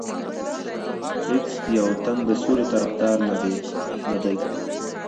هیڅ یو تن د سولې طرفدار نه دی.